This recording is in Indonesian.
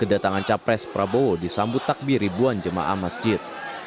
kedatangan capres prabowo disambut takbir ribuan jemaah masjid